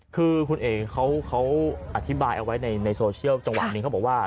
คือคุณเอกเขาอธิบายเอาไว้ในโซเชียลจังหวะหนึ่งเขาบอกว่า